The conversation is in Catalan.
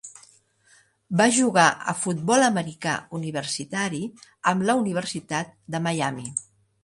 Va jugar a futbol americà universitari amb la Universitat de Miami.